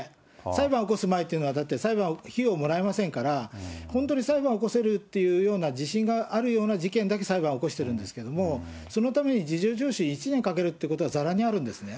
裁判起こす前というのは、だって、裁判費用もらえませんから、本当に裁判起こせるというような自信があるような事件だけ裁判起こしてるんですけど、そのために、事情聴取１年かけるってことは、ざらにあるんですね。